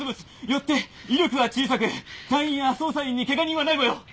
よって威力は小さく隊員や捜査員に怪我人はない模様。